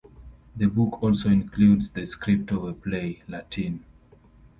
The book also includes the script of a play, Latin!